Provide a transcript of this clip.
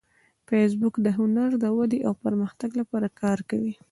فېسبوک د هنر د ودې او پرمختګ لپاره کار کوي